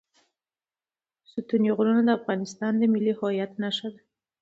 ستوني غرونه د افغانستان د ملي هویت نښه ده.